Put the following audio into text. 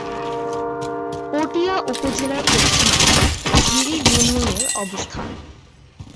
পটিয়া উপজেলার পশ্চিমাংশে জিরি ইউনিয়নের অবস্থান।